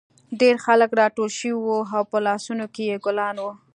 ډېر خلک راټول شوي وو او په لاسونو کې یې ګلان وو